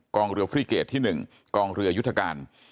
เรือฟรีเกตที่๑กองเรือยุทธการ